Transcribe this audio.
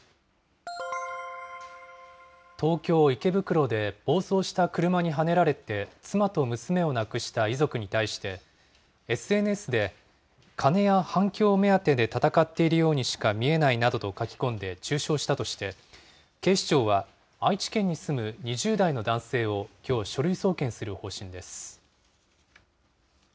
東京・池袋で、暴走した車にはねられて妻と娘を亡くした遺族に対して、ＳＮＳで、金や反響目当てで闘っているようにしか見えないなどと書き込んで中傷したとして、警視庁は愛知県に住む２０代の男性をきょう、書類送検する方針です。